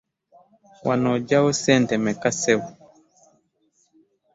Wano oggyawo ssente mmeka ssebo?